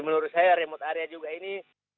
menurut saya remote area juga ini